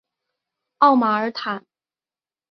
奥马尔坦。